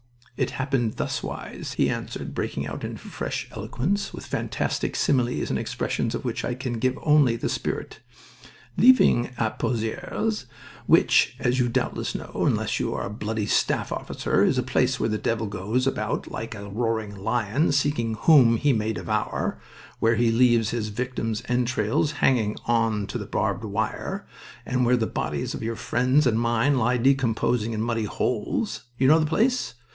"It happened thuswise," he answered, breaking out into fresh eloquence, with fantastic similes and expressions of which I can give only the spirit. "Leaving a Pozieres, which, as you doubtless know, unless you are a bloody staff officer, is a place where the devil goes about like a roaring lion seeking whom he may devour, where he leaves his victims' entrails hanging on to barbed wire, and where the bodies of your friends and mine lie decomposing in muddy holes you know the place?